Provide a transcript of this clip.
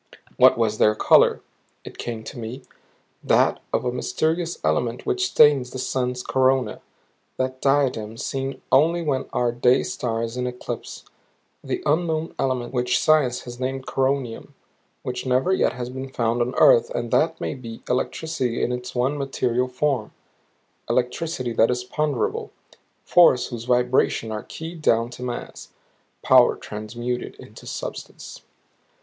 What was their color? It came to me that of the mysterious element which stains the sun's corona, that diadem seen only when our day star is in eclipse; the unknown element which science has named coronium, which never yet has been found on earth and that may be electricity in its one material form; electricity that is ponderable; force whose vibrations are keyed down to mass; power transmuted into substance.